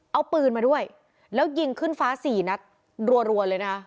เอาปืนมาด้วยแล้วยิงขึ้นฟ้าสี่นัดรัวเลยนะคะ